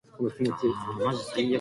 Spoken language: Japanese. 犬が好き。